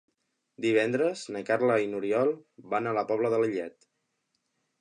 Divendres na Carla i n'Oriol van a la Pobla de Lillet.